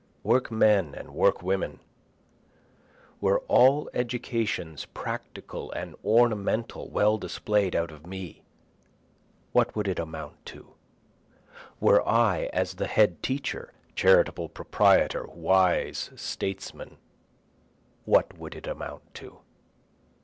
Workmen and Workwomen! Were all educations practical and ornamental well display'd out of me, what would it amount to? Were I as the head teacher, charitable proprietor, wise statesman, what would it amount to?